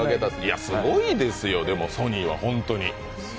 すごいですよ、でも、ソニーは本当に。